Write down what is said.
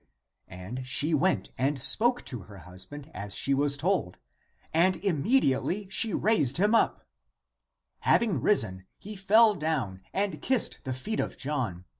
" And she went and spoke to her husband as she was told, and immediately she raised him. Having risen, he fell down and kissed the feet of John.